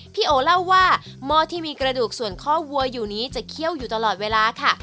โอเล่าว่าหม้อที่มีกระดูกส่วนข้อวัวอยู่นี้จะเคี่ยวอยู่ตลอดเวลาค่ะ